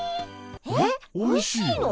えっおいしいの？